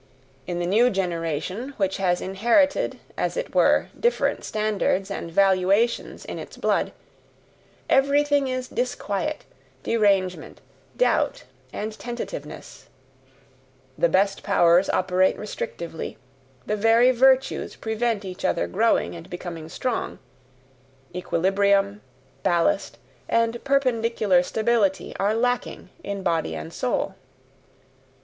In the new generation, which has inherited as it were different standards and valuations in its blood, everything is disquiet, derangement, doubt, and tentativeness; the best powers operate restrictively, the very virtues prevent each other growing and becoming strong, equilibrium, ballast, and perpendicular stability are lacking in body and soul.